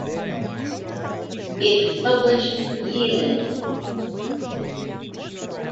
It published "Yeelen".